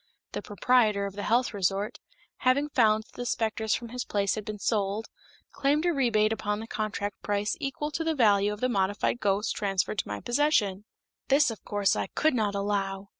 The proprietor of the health resort, having found that the specters from his place had been sold, claimed a rebate upon the contract price equal to the value of the modified ghosts transferred to my possession. This, of course, I could not allow.